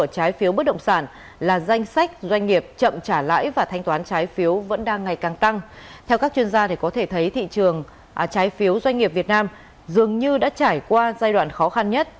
trái phiếu doanh nghiệp việt nam dường như đã trải qua giai đoạn khó khăn nhất